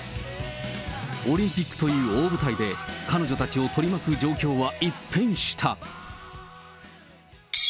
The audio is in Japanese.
オリンピックという大舞台で、彼女たちを取り巻く状況は一変した。